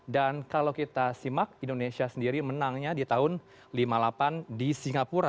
dan kalau kita lihat indonesia sendiri menangnya di tahun seribu sembilan ratus lima puluh delapan di singapura